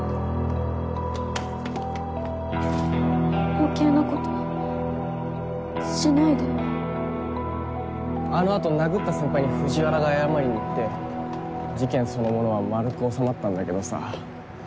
余計なことしないでよあの後殴った先輩に藤原が謝りに行って事件そのものは丸く収まったんだけどさあ